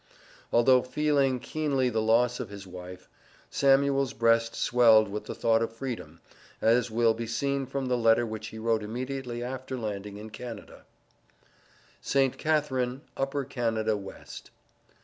Although feeling keenly the loss of his wife, Samuel's breast swelled with the thought of freedom, as will be seen from the letter which he wrote immediately after landing in Canada: ST. CATHARINE, UPPER CANADA WEST.